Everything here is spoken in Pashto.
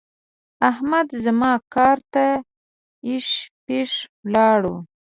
احمد زما کار ته اېښ پېښ ولاړ وو.